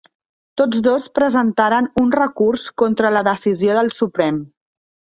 Tots dos presentaran un recurs contra la decisió del Suprem